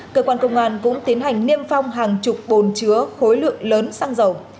cơ quan công an cũng tiến hành niêm phong hàng chục bồn chứa khối lượng lớn